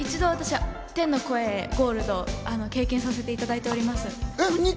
一度、天の声ゴールド経験させていただいております。